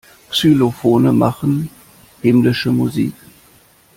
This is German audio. Xylophone machen himmlische Musik.